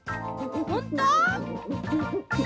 ほんと？